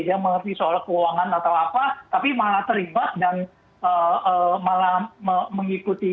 dia mengerti soal keuangan atau apa tapi malah terlibat dan malah mengikuti